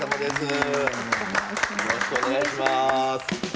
よろしくお願いします。